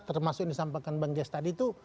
termasuk yang disampaikan bang jazz tadi itu